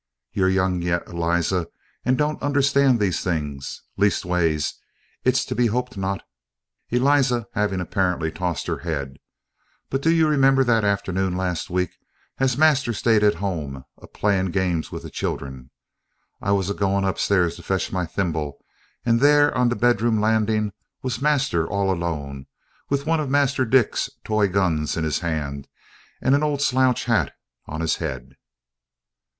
You're young yet, Eliza, and don't understand these things leastways, it's to be hoped not" (Eliza having apparently tossed her head); "but do you remember that afternoon last week as master stayed at home a playin' games with the children? I was a goin' upstairs to fetch my thimble, and there, on the bedroom landin', was master all alone, with one of Master Dick's toy guns in his 'and, and a old slouch 'at on his head.